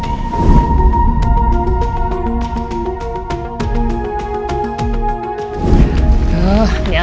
tidak ada yang bisa dikawal